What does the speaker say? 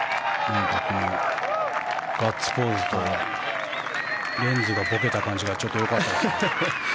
ガッツポーズとレンズがぼけた感じがちょっとよかったですね。